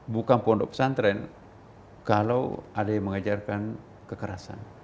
bukan pondok pesantren kalau ada yang mengajarkan kekerasan